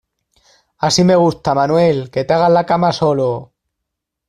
Así me gusta, Manuel, que te hagas la cama solo.